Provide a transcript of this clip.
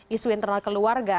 isu internal keluarga